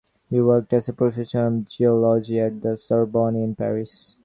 He worked as a professor of geology at the Sorbonne in Paris.